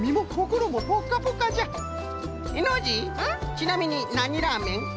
ちなみになにラーメン？